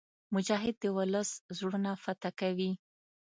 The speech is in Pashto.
مجاهد د ولس زړونه فتح کوي.